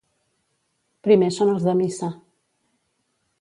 Primer són els de missa.